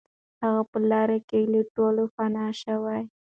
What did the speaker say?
هغه په لاره کې له ټولو پناه شو.